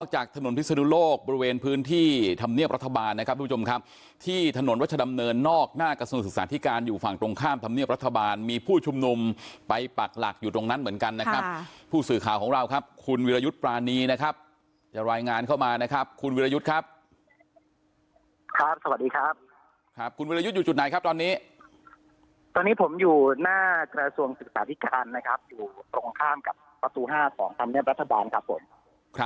ออกจากถนนพิษฎุโลกบริเวณพื้นที่ธรรมเนียบรัฐบาลนะครับผู้ชมครับที่ถนนวัชดำเนินนอกหน้ากระทรวงศึกษาธิการอยู่ฝั่งตรงข้ามธรรมเนียบรัฐบาลมีผู้ชมนุมไปปากหลักอยู่ตรงนั้นเหมือนกันนะครับผู้สื่อข่าวของเราครับคุณวิรายุทธ์ปรานีนะครับจะรายงานเข้ามานะครับคุณวิรายุทธ์ครับครับสวั